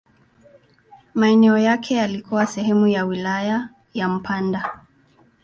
Maeneo yake yalikuwa sehemu ya wilaya ya Mpanda.